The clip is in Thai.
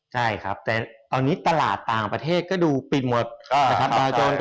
ใช่ครับแต่ตอนนี้ตลาดต่างประเทศก็ดูปิดหมดนะครับ